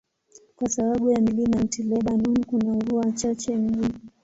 Kwa sababu ya milima ya Anti-Lebanon, kuna mvua chache mjini.